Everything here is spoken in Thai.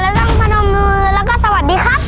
แล้วต้องพนมมือแล้วก็สวัสดีครับ